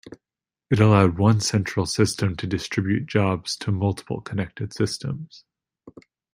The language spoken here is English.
It allowed one central system to distribute jobs to multiple connected systems.